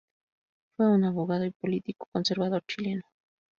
Fue un abogado y político conservador chileno.